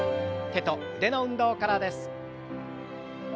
手と腕の運動からです。